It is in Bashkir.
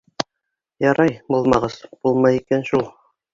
Ярай, булмағас, булмай икән шул...